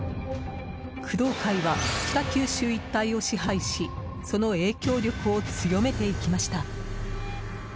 工藤会は北九州一帯を支配しその影響力を強めていきました。